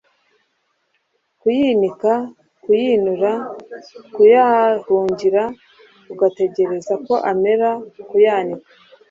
kuyinika, kuyinura, kuyahungira ugategereza ko amera, kuyanika,